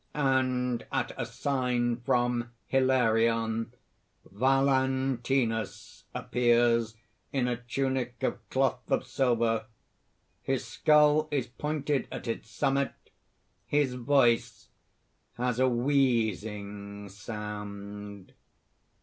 (And at a sign from Hilarion VALENTINUS _appears in a tunic of cloth of silver; his skull is pointed at its summit; his voice has a wheezing sound.